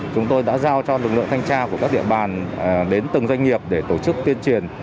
chúng tôi đã giao cho lực lượng thanh tra của các địa bàn đến từng doanh nghiệp để tổ chức tuyên truyền